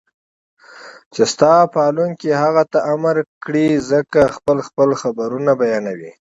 چې ستا پالونکي هغې ته امر کړی زکه خپل خپل خبرونه بيانوي